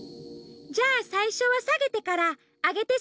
じゃあさいしょはさげてから「あげて！